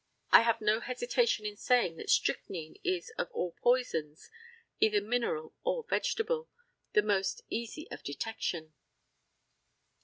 I have no hesitation in saying that strychnine is of all poisons, either mineral or vegetable, the most easy of detection.